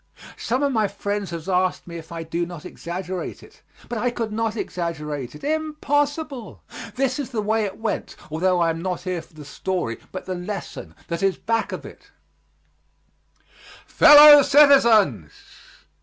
Some of my friends have asked me if I do not exaggerate it, but I could not exaggerate it. Impossible! This is the way it went; although I am not here for the story but the lesson that is back of it: "Fellow citizens."